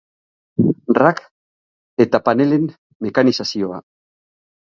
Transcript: Rack eta panelen mekanizazioa.